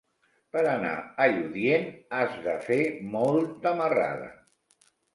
Per anar a Lludient has de fer molta marrada.